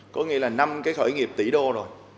có nghĩa là năm cái khởi nghiệp tỷ đô rồi